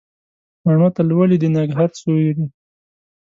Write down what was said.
مڼو ته لولي د نګهت سیوري